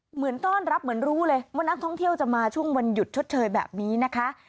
เหมือนต้อนรับเหมือนรู้เลยว่านักท่องเที่ยวจะมาช่วงวันหยุดชดเชยแบบนี้นะคะ